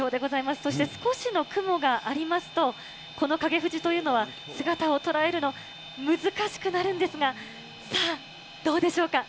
そして少しの雲がありますと、この影富士というのは、姿を捉えるの、難しくなるんですが、さあ、どうでしょうか。